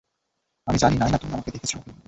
আমি জানি নায়না তুমি আমাকে দেখছো।